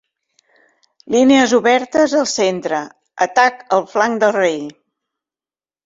Línies obertes al centre, atac al flanc de rei.